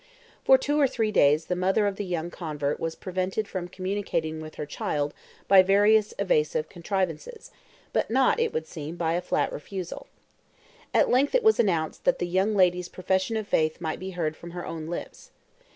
For two or three days the mother of the young convert was prevented from communicating with her child by various evasive contrivances, but not, it would seem, by a flat refusal. At length it was announced that the young lady's profession of faith might be heard from her own lips.